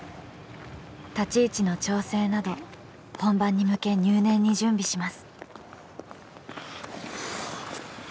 立ち位置の調整など本番に向け入念に準備します。